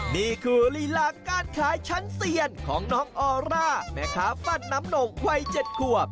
นี่คือลีลาการขายชั้นเซียนของน้องออร่าแม่ค้าฟัดน้ำหน่งวัย๗ขวบ